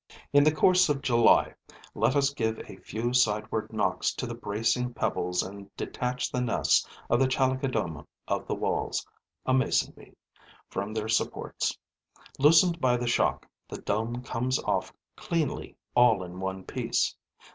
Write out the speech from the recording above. In the course of July, let us give a few sideward knocks to the bracing pebbles and detach the nests of the Chalicodoma of the Walls [a mason bee] from their supports. Loosened by the shock, the dome comes off cleanly, all in one piece.